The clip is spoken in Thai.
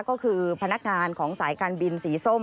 ก็คือพนักงานของสายการบินสีส้ม